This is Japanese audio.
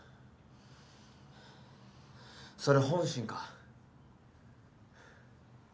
それ本心か？